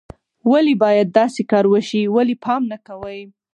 ولې باید داسې کار وشي، ولې پام نه کوئ